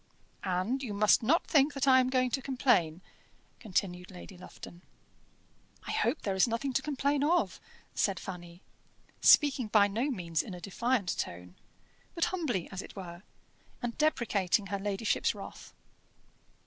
"And you must not think that I am going to complain," continued Lady Lufton. "I hope there is nothing to complain of," said Fanny, speaking by no means in a defiant tone, but humbly as it were, and deprecating her ladyship's wrath.